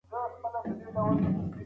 هغه خپل ساعت ته وکتل او په بیړه روان شو.